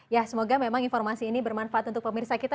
ya semoga memang informasi ini bermanfaat untuk pemirsa kita